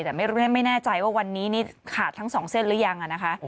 แต่ไม่แน่ใจว่าวันนี้นี่ขาดทั้งสองเส้นหรือยังนะคะ